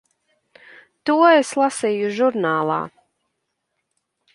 To es lasīju žurnālā.